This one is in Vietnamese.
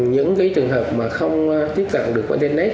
những trường hợp mà không tiếp cận được bài học